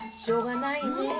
しょうがないね。